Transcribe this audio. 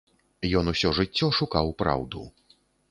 Ён усё жыццё шукаў праўду.